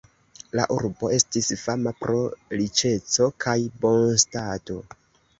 La urbo estis fama pro riĉeco kaj bonstato.